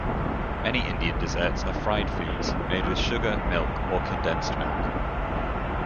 Many Indian desserts are fried foods made with sugar, milk or condensed milk.